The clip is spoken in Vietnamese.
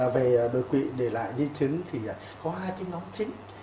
về đột quỵ để lại di chứng thì có hai cái nhóm chính